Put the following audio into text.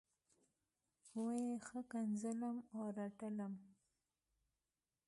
وه یې ښکنځلم او رټلم.